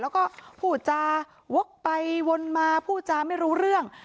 แล้วก็พูดจาวกไปวนมาพูดจาไม่รู้เรื่อง